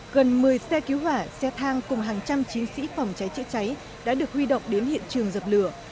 gần một mươi xe cứu hỏa xe thang cùng hàng trăm chiến sĩ phòng cháy chữa cháy đã được huy động đến hiện trường dập lửa